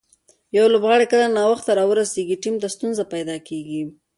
یو لوبغاړی کله ناوخته راورسېږي، ټیم ته ستونزه پېدا کیږي.